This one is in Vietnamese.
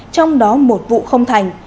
trong đó một vụ không thành